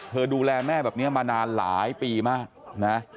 ดูแลแม่แบบนี้มานานหลายปีมากนะ